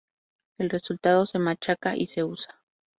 El resultado se machaca y se usa.